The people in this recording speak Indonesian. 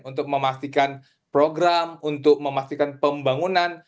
untuk memastikan program untuk memastikan pembangunan